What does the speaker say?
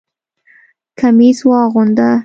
کمیس واغونده!